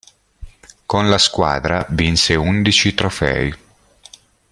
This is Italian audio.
Con la squadra vinse undici trofei.